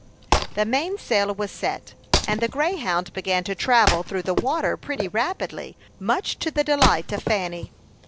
The mainsail was set, and the Greyhound began to travel through the water pretty rapidly, much to the delight of Fanny.